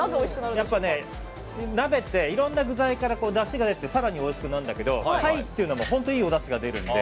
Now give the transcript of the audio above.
鍋って、いろんな具材からだしが出て更においしくなるんだけど貝っていうのは本当にいいおだしが出るので。